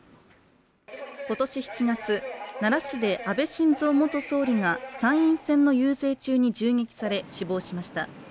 今年７月、奈良市で安倍晋三元総理が参院選の遊説中に銃撃され死亡しました。